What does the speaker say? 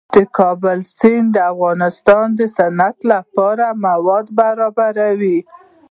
د کابل سیند د افغانستان د صنعت لپاره مواد برابروي.